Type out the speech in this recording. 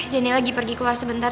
daniel lagi pergi keluar sebentar